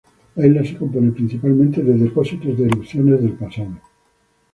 La isla se compone principalmente de depósitos de erupción del pasado.